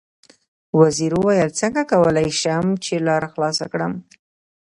وزیر وویل: څنګه کولای شم چې لاره خلاصه کړم.